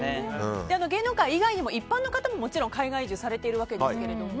芸能界以外にも一般の方も海外移住をされているわけですけども。